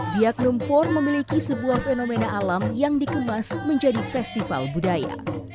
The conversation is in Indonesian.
diaknum for memiliki sebuah fenomena alam yang dikemas menjadi festival budaya